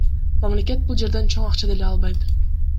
Мамлекет бул жерден чоң акча деле албайт.